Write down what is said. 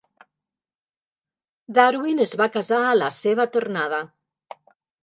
Darwin es va casar a la seva tornada.